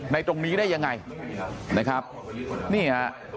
ในตรงนี้ได้ยังไง